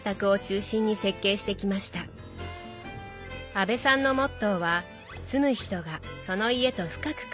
阿部さんのモットーは住む人がその家と深く関わる家づくり。